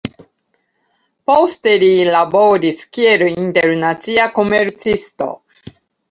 Poste li laboris kiel internacia komercisto.